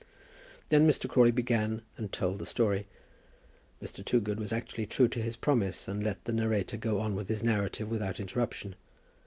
Then Mr. Crawley began and told the story. Mr. Toogood was actually true to his promise and let the narrator go on with his narrative without interruption.